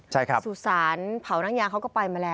ใช่ครับสุสานเผานั่งยางเขาก็ไปมาแล้ว